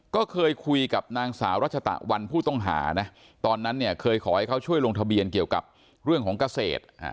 ก็เคยคุยกับนางสาวรัชตะวันผู้ต้องหานะตอนนั้นเนี่ยเคยขอให้เขาช่วยลงทะเบียนเกี่ยวกับเรื่องของเกษตร